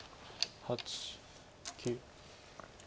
８９。